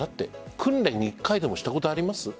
訓練、１回でもしたことあります？